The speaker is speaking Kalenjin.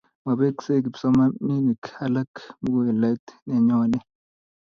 mabeeksei kipsomaninik alak muhulait ne nyone